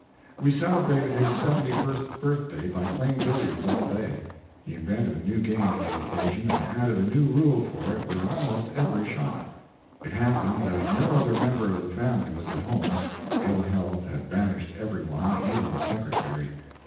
We celebrated his seventy first birthday by playing billiards all day. He invented a new game for the occasion, and added a new rule for it with almost every shot. It happened that no other member of the family was at home ill health had banished every one, even the secretary.